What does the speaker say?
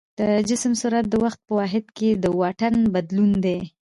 د جسم سرعت د وخت په واحد کې د واټن بدلون دی.